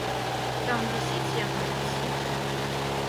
Там вісіць яно і вісіць.